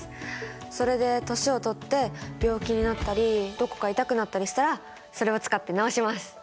それで年を取って病気になったりどこか痛くなったりしたらそれを使って治します！